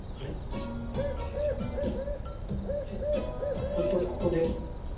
こことここで。